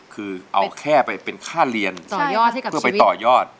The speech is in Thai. คือเอาแค่ไปเป็นค่าเรียนต่อยอดเพื่อไปต่อยอด